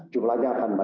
jumlahnya akan mencapai